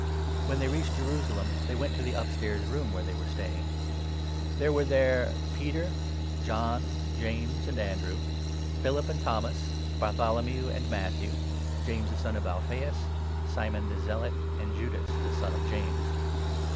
When they reached Jerusalem, they went to the upstairs 13 room, where they were staying. There were there Peter, John, James, and Andrew, Philip and Thomas, Bartholomew and Matthew, James the son of Alphaeus, Simon the Zealot, and Judas the son of James.